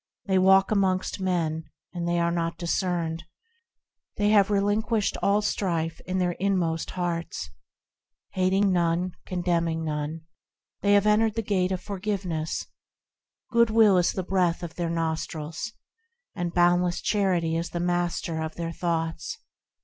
They walk amongst men, and are not discerned ; They have relinquished all strife in their inmost hearts, Hating none, condemning none ; They have entered the Gate of Forgiveness; Goodwill is the breath of their nostrils, And boundless charity is the master of their thoughts.